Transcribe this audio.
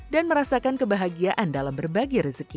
dan merasakan kebahagiaan dalam berbagai rezeki